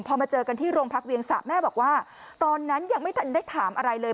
พอมาเจอกันที่โรงพักเวียงสะแม่บอกว่าตอนนั้นยังไม่ทันได้ถามอะไรเลย